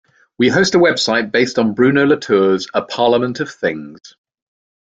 He hosts a website based on Bruno Latour's 'A Parliament of Things'.